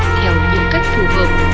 theo những cách phù hợp